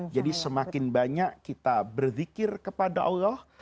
jadi semakin banyak kita berzikir kepada allah